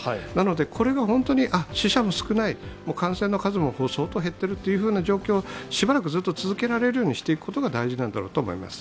これが本当に、死者も少ない、感染の数も相当減っているという状況をしばらくずっと続けられる状況にしておくことが大事なんだと思います。